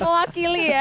kesempatan mewakili ya